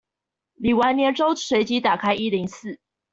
領完年終隨即打開一零四